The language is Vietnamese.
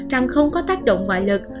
rằng không có tác động ngoại lực